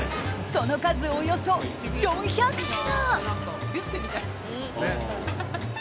その数、およそ４００品。